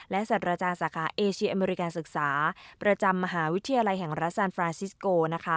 และสรรจาสาขาเอเชียอเมริกันศึกษาประจำมหาวิทยาลัยแห่งรัฐสานฟรานซิสโก